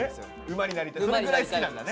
馬になりたいそのぐらい好きなんだね。